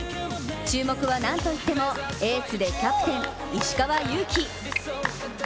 注目は何といっても、エースでキャプテン・石川祐希。